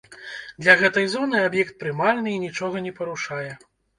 Для гэтай зоны аб'ект прымальны і нічога не парушае.